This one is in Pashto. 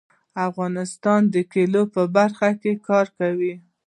افغانستان د کلیو په برخه کې کار کوي.